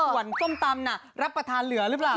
ส่วนส้มตำน่ะรับประทานเหลือหรือเปล่า